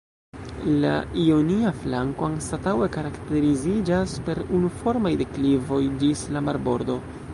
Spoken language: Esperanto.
La ionia flanko anstataŭe karakteriziĝas per unuformaj deklivoj ĝis la marbordo.